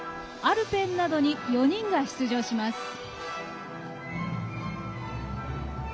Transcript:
アルペンなどに４人が出場します。